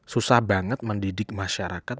susah banget mendidik masyarakat